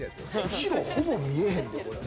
後ろ、ほぼ見えへんで。